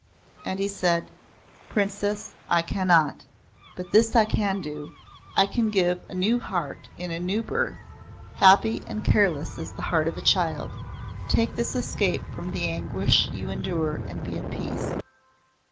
And he said; "Princess, I cannot, But this I can do I can give a new heart in a new birth happy and careless as the heart of a child. Take this escape from the anguish you endure and be at peace."